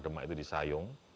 demak itu disayung